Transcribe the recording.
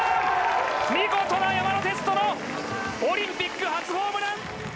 見事な山田哲人のオリンピック初ホームラン！